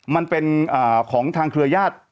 มันเป็นของทางเครือญาติ